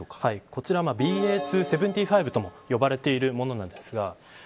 こちらＢＡ．２．７５とも呼ばれているものなんですがＢＡ．